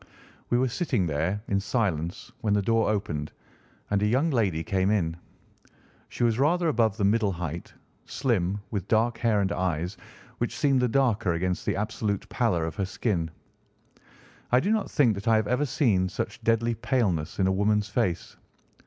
We were sitting there in silence when the door opened and a young lady came in. She was rather above the middle height, slim, with dark hair and eyes, which seemed the darker against the absolute pallor of her skin. I do not think that I have ever seen such deadly paleness in a woman's face.